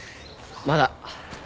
まだ。